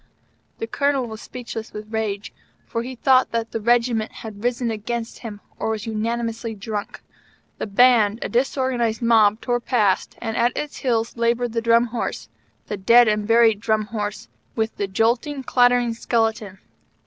The Colonel was speechless with rage, for he thought that the Regiment had risen against him or was unanimously drunk. The Band, a disorganized mob, tore past, and at it's heels labored the Drum Horse the dead and buried Drum Horse with the jolting, clattering skeleton.